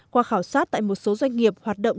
qua khảo sát tại một số doanh nghiệp hoạt động